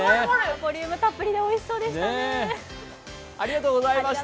ボリュームたっぷりでおいしそうでしたね。